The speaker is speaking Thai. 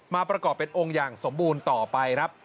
ประกอบเป็นองค์อย่างสมบูรณ์ต่อไปครับ